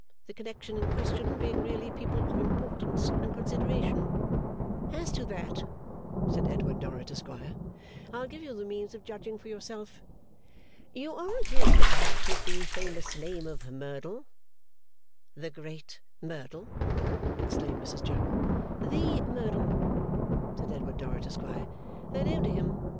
The connection in question, being really people of importance and consideration ' 'As to that,' said Edward Dorrit, Esquire, 'I'll give you the means of judging for yourself. You are acquainted, perhaps, with the famous name of Merdle?' 'The great Merdle!' exclaimed Mrs General. 'The Merdle,' said Edward Dorrit, Esquire. 'They are known to him.